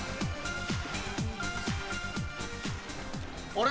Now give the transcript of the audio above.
あれ？